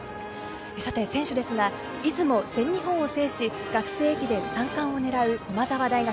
さて、選手ですが出雲、全日本を制し、学生駅伝３冠をねらう駒澤大学。